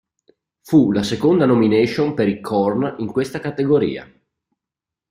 Fu la seconda nomination per i Korn in questa categoria.